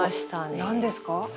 何ですか？